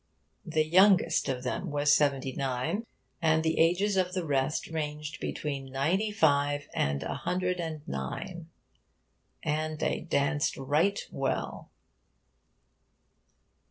The youngest of them was seventy nine, and the ages of the rest ranged between ninety five and a hundred and nine. 'And they daunced right well.'